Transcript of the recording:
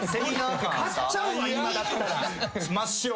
買っちゃうわ今だったら。